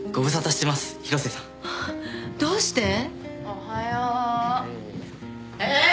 おはよう。えっ！？